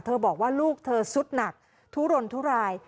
บอกว่าลูกเธอสุดหนักทุรนทุราย